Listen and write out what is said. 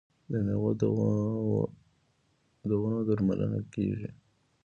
د میوو د ونو درملنه کیږي.